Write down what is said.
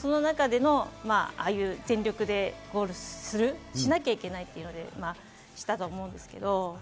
その中でのああいう、全力でゴールする、しなきゃいけないということで、したと思うんですけれども。